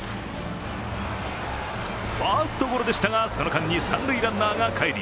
ファーストゴロでしたが、その間に三塁ランナーが帰り